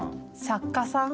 作家さん。